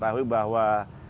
jadi beritahu bahwa